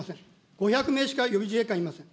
５００名しか予備自衛官いません。